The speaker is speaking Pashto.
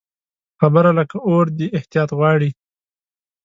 خبرې لکه اور دي، احتیاط غواړي